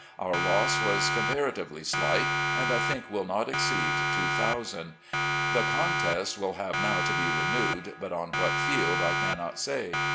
Our loss was comparatively slight, and I think will not exceed two thousand. The contest will have now to be renewed, but on what field I cannot say.